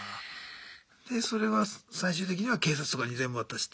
でそれは最終的には警察とかに全部渡して。